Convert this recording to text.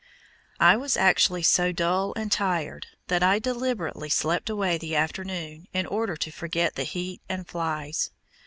I was actually so dull and tired that I deliberately slept away the afternoon in order to forget the heat and flies.